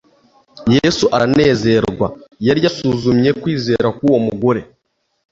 Yesu aranezerwa. Yari yasuzumye kwizera k'uwo mugore.